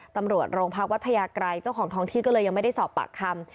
ตำรวจโรงพักวัดพญาไกรเจ้าของท้องที่ก็เลยยังไม่ได้สอบปากคำ